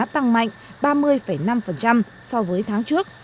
tăng mạnh ba mươi năm so với tháng trước